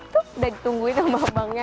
tuh sudah ditungguin obang obangnya